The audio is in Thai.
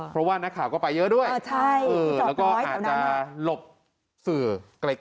เพราะว่านักข่าวก็ไปเยอะด้วยแล้วก็อาจจะหลบสื่อไกล